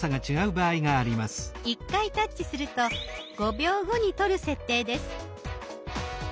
１回タッチすると５秒後に撮る設定です。